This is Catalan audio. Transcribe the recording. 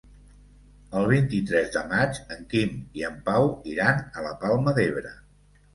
El vint-i-tres de maig en Quim i en Pau iran a la Palma d'Ebre.